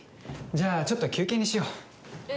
じゃあちょっと休憩にしよう。